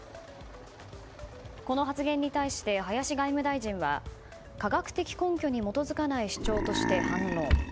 この発言に対して、林外務大臣は科学的根拠に基づかない主張として反論。